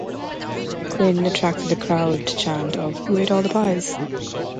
Quinn attracted the crowd chant of Who Ate All the Pies?